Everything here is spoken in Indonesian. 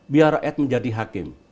biar rakyat menjadi hakim